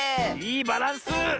いいバランス！